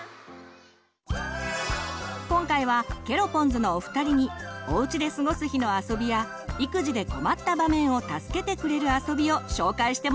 今回はケロポンズのお二人におうちで過ごす日のあそびや育児で困った場面を助けてくれるあそびを紹介してもらいます！